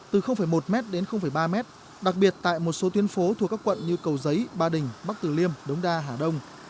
từ một m đến ba m đặc biệt tại một số tuyến phố thuộc các quận như cầu giấy ba đình bắc tử liêm đống đa hà đông